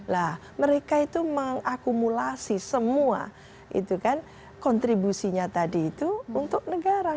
nah mereka itu mengakumulasi semua kontribusinya tadi itu untuk negara